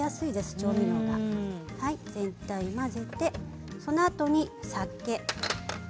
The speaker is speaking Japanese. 調味料全体を混ぜてそのあとに酒。